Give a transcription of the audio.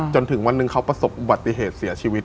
จนถึงวันหนึ่งเขาประสบอุบัติเหตุเสียชีวิต